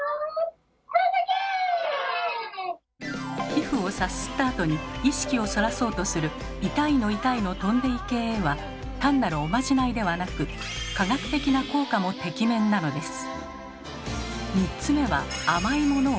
皮膚をさすったあとに意識をそらそうとする「痛いの痛いの飛んでいけ」は単なるおまじないではなく科学的な効果もてきめんなのです。